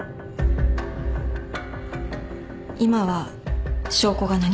今は証拠が何も。